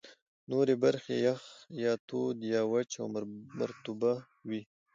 نورې برخې یا یخ، یا تود، یا وچه او مرطوبه وې.